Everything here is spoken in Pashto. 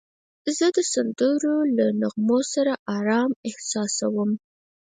زه د سندرو له نغمو سره آرام احساس کوم.